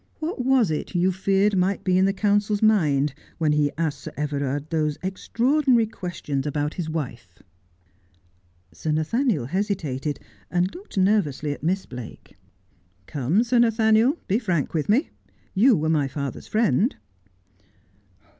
' What was it that you feared might be in the counsel's mind when he asked Sir Everard those extraordi nary questions about his wife ?' Sir Nathaniel hesitated, and looked nervously at Miss Blake. ' Come, Sir Nathaniel, be frank with me. You were my father's friend.'